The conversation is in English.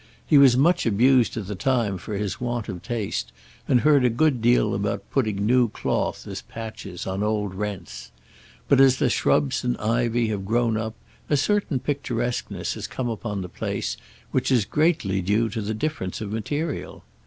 He was much abused at the time for his want of taste, and heard a good deal about putting new cloth as patches on old rents; but, as the shrubs and ivy have grown up, a certain picturesqueness has come upon the place, which is greatly due to the difference of material.